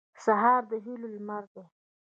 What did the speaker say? سهار د هیلو لمر دی.